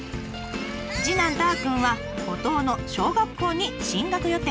次男たーくんは春から五島の小学校に進学予定。